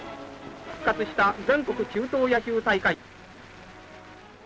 復活した全国中等野球大会。